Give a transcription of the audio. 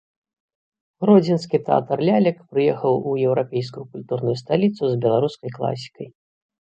Гродзенскі тэатр лялек прыехаў у еўрапейскую культурную сталіцу з беларускай класікай.